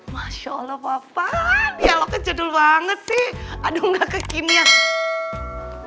masya allah dialognya judul banget sih aduh gak kekinian